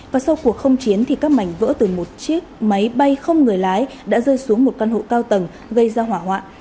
và sau cuộc không chiến thì các mảnh vỡ từ một chiếc máy bay không người lái đã rơi xuống một căn hộ cao tầng gây ra hỏa hoạn